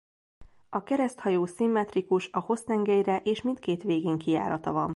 A kereszthajó szimmetrikus a hossztengelyre és mindkét végén kijárata van.